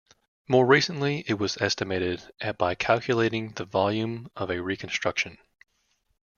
More recently, it was estimated at by calculating the volume of a reconstruction.